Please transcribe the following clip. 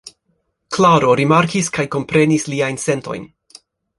Klaro rimarkis kaj komprenis liajn sentojn.